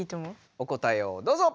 お答えをどうぞ！